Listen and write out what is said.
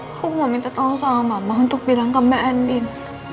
aku mau minta tolong sama mama untuk bilang ke mbak andin